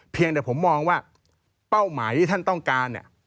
เพียงแต่ผมมองว่าเป้าหมายที่ท่านต้องการเนี่ย